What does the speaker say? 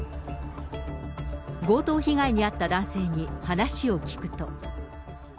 強盗被害に遭った男性に話を聞くと。